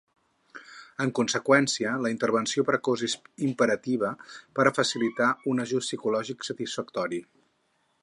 En conseqüència, la intervenció precoç és imperativa per a facilitar un ajust psicològic satisfactori.